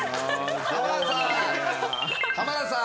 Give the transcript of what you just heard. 浜田さん！